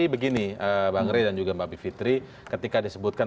semua nanti akan diperlakukan